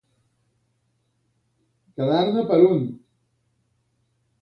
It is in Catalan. Quedar-ne per un.